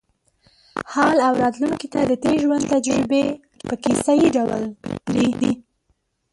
حال او راتلونکې ته د تېر ژوند تجربې په کیسه یې ډول پرېږدي.